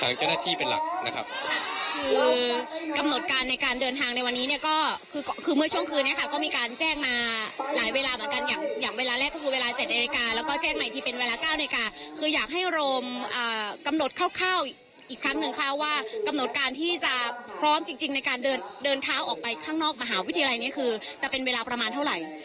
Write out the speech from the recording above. และก็เจอกันใหม่ที่เป็นเวลา๙นิกาคืออยากให้โรมกำหนดข้าวอีกครั้งนึงค่ะว่ากำหนดการที่จะพร้อมออกในการเดินเท้าออกไปข้างนอกมหาวิทยาลัยเป็นเวลาจะเป็นเท่าไหร่